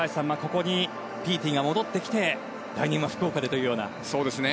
ここにピーティが戻ってきて来年は福岡でというような。